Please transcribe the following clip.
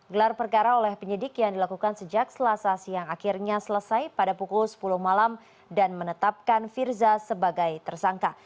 gelar perkara oleh penyidik yang dilakukan sejak selasa siang akhirnya selesai pada pukul sepuluh malam dan menetapkan firza sebagai tersangka